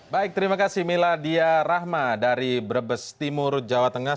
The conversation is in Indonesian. baik terima kasih miladia rahma dari brebes timur jawa tengah